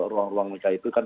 ruang ruang misalnya itu kan